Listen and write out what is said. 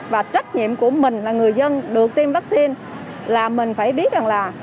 và trách nhiệm của mình là người dân được tiêm vaccine là mình phải biết rằng là